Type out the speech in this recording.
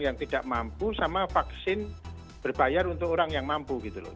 yang tidak mampu sama vaksin berbayar untuk orang yang mampu gitu loh